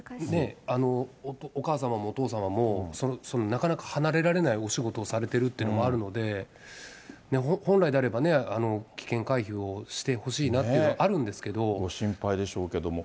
お母様もお父様も、なかなか離れられないお仕事をされてるっていうのがあるので、本来であればね、危険回避をしてほしいなっていうのはあるんですけご心配でしょうけれども。